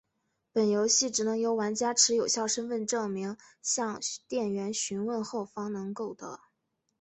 本游戏只能由玩家持有效身份证明向店员询问后方能购得。